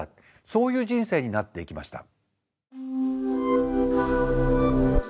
そういう人生になっていきました。